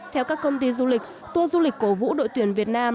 theo các công ty du lịch tour du lịch cổ vũ đội tuyển việt nam